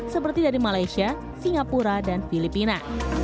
seperti dari malaysia singapura dan filipina